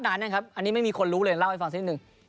นานยังครับอันนี้ไม่มีคนรู้เลยเล่าให้ฟังนิดนึง